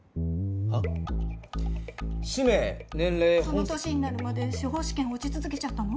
その年になるまで司法試験落ち続けちゃったの？